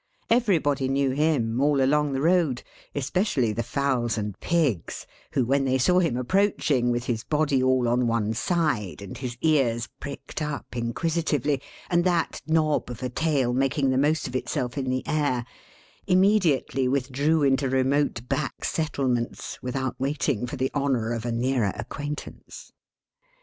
Everybody knew him, all along the road, especially the fowls and pigs, who when they saw him approaching, with his body all on one side, and his ears pricked up inquisitively, and that knob of a tail making the most of itself in the air, immediately withdrew into remote back settlements, without waiting for the honor of a nearer acquaintance.